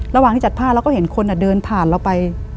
ระหว่างที่จัดผ้าเราก็เห็นคนเดินผ่านเราไป